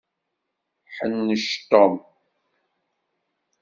Ḥennec Tom.